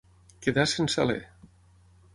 Quedar sense alè.